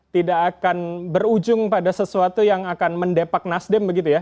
tidak akan berujung pada sesuatu yang akan mendepak nasdem begitu ya